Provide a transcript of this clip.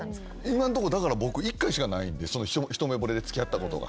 今んところ僕１回しかないんで一目ぼれで付き合ったことが。